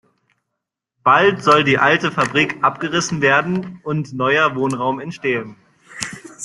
Bald soll die alte Fabrik abgerissen werden und neuer Wohnraum entstehen.